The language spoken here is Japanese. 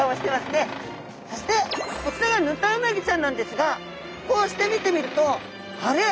そしてこちらがヌタウナギちゃんなんですがこうして見てみるとあれ？